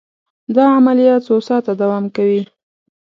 دا عملیه څو ساعته دوام کوي.